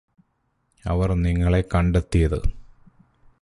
അവര് നിങ്ങളെ കണ്ടെത്തിയത്